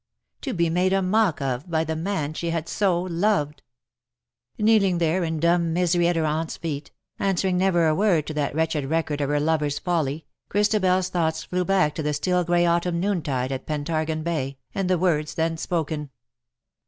To be made a mock of by the man she had so loved ! Kneeling there in dumb misery at her aunt^s feet, answering never a word to that wretched record of her lover's folly, ChristabeFs thoughts flew back to that still grey autumn noontide at Pentargon Bay,, and the words then spoken.